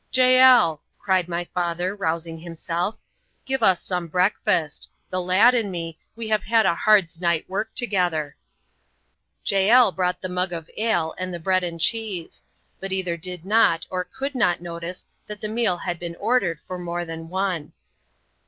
"Jael," cried my father, rousing himself, "give us some breakfast; the lad and me we have had a hard night's work together." Jael brought the mug of ale and the bread and cheese; but either did not or could not notice that the meal had been ordered for more than one.